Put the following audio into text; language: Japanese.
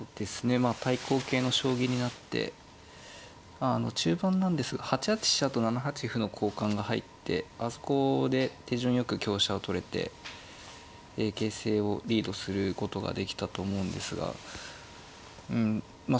まあ対抗型の将棋になって中盤なんですが８八飛車と７八歩の交換が入ってあそこで手順よく香車を取れて形勢をリードすることができたと思うんですがうんまあ